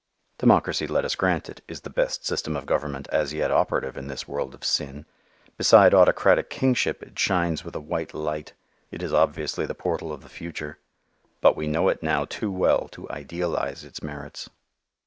Democracy, let us grant it, is the best system of government as yet operative in this world of sin. Beside autocratic kingship it shines with a white light; it is obviously the portal of the future. But we know it now too well to idealize its merits.